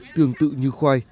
tương tự như khoai